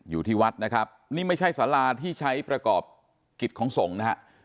อยู่ที่วัดนะครับนี่ไม่ใช่สาราที่ใช้ประกอบกิจของสงฆ์นะฮะ